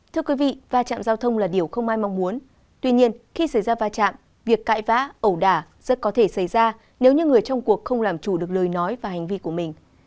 thưa quý vị va chạm giao thông là điều không ai mong muốn tuy nhiên khi xảy ra va chạm việc cại vã ẩu đả rất có thể xảy ra nếu như người trong cuộc không làm chủ được lời nói và hành vi của mình